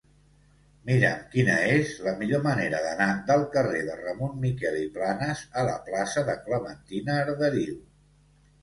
Mira'm quina és la millor manera d'anar del carrer de Ramon Miquel i Planas a la plaça de Clementina Arderiu.